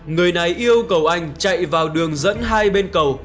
người này yêu cầu anh chạy vào đường dẫn hai bên cầu